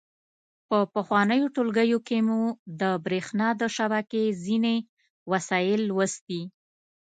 په پخوانیو ټولګیو کې مو د برېښنا د شبکې ځینې وسایل لوستي.